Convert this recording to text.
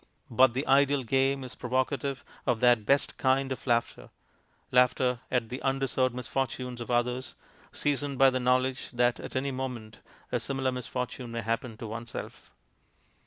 But the ideal game is provocative of that best kind of laughter laughter at the undeserved misfortunes of others, seasoned by the knowledge that at any moment a similar misfortune may happen to oneself.